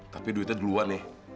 tapi duitnya duluan ya